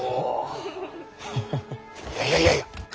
ハハハいやいやいやいや。